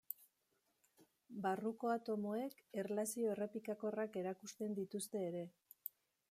Barruko atomoek, erlazio errepikakorrak erakusten dituzte ere.